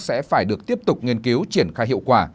sẽ phải được tiếp tục nghiên cứu triển khai hiệu quả